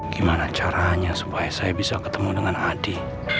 gimana caranya supaya saya bisa ketemu dengan adi